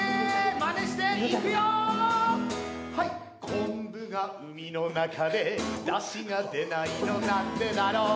「昆布が海の中でだしが出ないのなんでだろう」